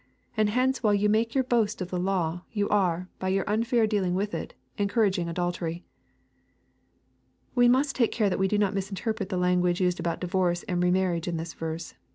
And hence while you make your boast of the law, yon are, by your unfair dealing with it^ encouraging adultery." We must take care that we do not misinterpret the language used about divorce and re marriage in this verse.